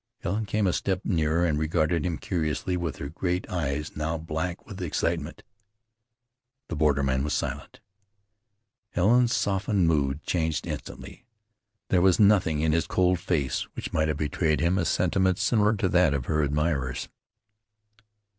Helen came a step nearer, and regarded him curiously with her great eyes now black with excitement. The borderman was silent. Helen's softened mood changed instantly. There was nothing in his cold face which might have betrayed in him a sentiment similar to that of her admirers.